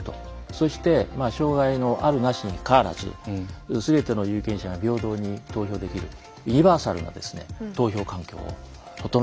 そして障害のあるなしにかかわらずすべての有権者が平等に投票できるユニバーサルな投票環境を整えていく。